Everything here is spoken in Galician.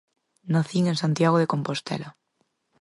Nacín en Santiago de Compostela.